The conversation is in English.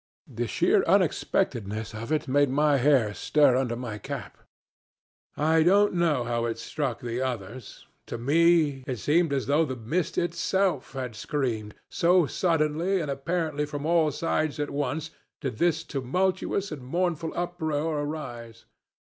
The sheer unexpectedness of it made my hair stir under my cap. I don't know how it struck the others: to me it seemed as though the mist itself had screamed, so suddenly, and apparently from all sides at once, did this tumultuous and mournful uproar arise.